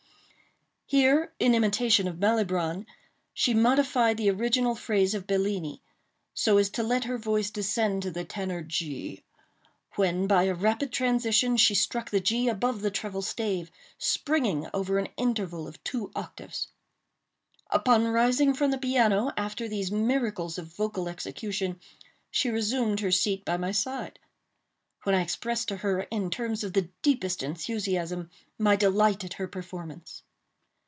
Here, in imitation of Malibran, she modified the original phrase of Bellini, so as to let her voice descend to the tenor G, when, by a rapid transition, she struck the G above the treble stave, springing over an interval of two octaves. Upon rising from the piano after these miracles of vocal execution, she resumed her seat by my side; when I expressed to her, in terms of the deepest enthusiasm, my delight at her performance.